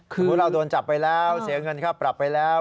เราโดนจับไปแล้วเสียเงินค่าปรับไปแล้ว